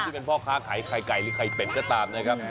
ที่เป็นพ่อค้าขายไข่ไก่หรือไข่เป็ดก็ตามนะครับ